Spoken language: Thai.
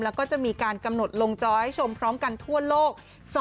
แล้วก็จะมีการกำหนดลงจอให้ชมพร้อมกันทั่วโลก